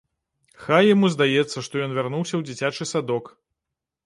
Хай яму здаецца, што ён вярнуўся ў дзіцячы садок.